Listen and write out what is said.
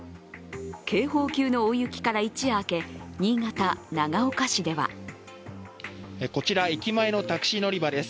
警報級の大雪から一夜明け、新潟・長岡市ではこちら、駅前のタクシー乗り場です。